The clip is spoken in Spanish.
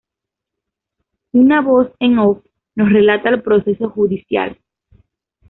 Una voz en off nos relata el proceso judicial.